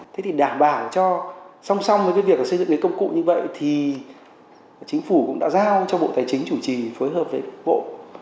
thế thì đảm bảo cho song song với cái việc xây dựng cái công cụ như vậy thì chính phủ cũng đã giao cho bộ tài chính chủ trì phối hợp với bộ